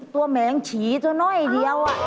แหมงฉีตัวน้อยเดียว